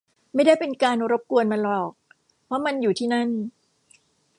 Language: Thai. ไม่ได้เป็นการรบกวนมันหรอก เพราะมันอยู่ที่นั่น